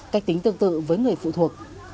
cách tính tương tự với người phụ thuộc